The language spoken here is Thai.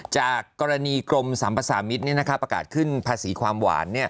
จากกรณีกรมสัมภาษามิตรประกาศขึ้นภาษีความหวาน